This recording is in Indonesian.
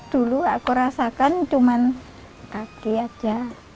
dulu aku rasakan cuma kaki aja